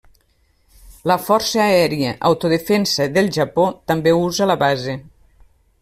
La força aèria d'Autodefensa del Japó també usa la base.